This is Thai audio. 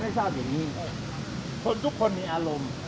ไหนว่าเจ๋งไงเอ่อถูกเหอะ